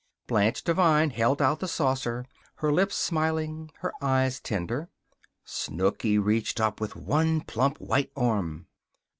Blanche Devine held out the saucer, her lips smiling, her eyes tender. Snooky reached up with one plump white arm.